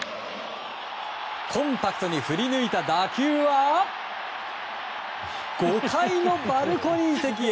コンパクトに降り抜いた打球は５階のバルコニー席へ！